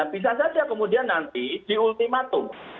bisa saja kemudian nanti di ultimatum